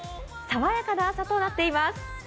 爽やかな朝となっています。